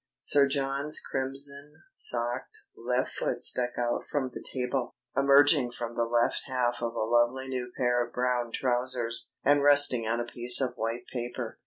Sir John's crimson socked left foot stuck out from the table, emerging from the left half of a lovely new pair of brown trousers, and resting on a piece of white paper.